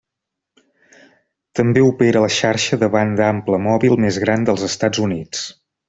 També opera la xarxa de banda ampla mòbil més gran dels Estats Units.